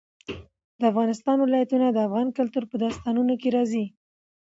د افغانستان ولايتونه د افغان کلتور په داستانونو کې راځي.